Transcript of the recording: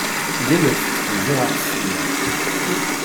Il est le fils de Gérard Sire.